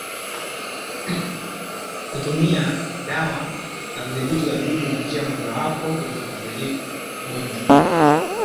Kutumia dawa za kudhibiti wadudu ni njia moja wapo ya kukabili ugonjwa